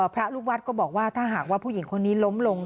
พระลูกวัดก็บอกว่าถ้าหากว่าผู้หญิงคนนี้ล้มลง